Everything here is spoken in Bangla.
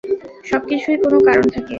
সবকিছুই কোন কারণ থাকে।